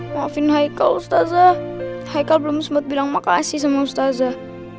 maafin haikal ustazah haikal belum sempat bilang makasih sama ustazah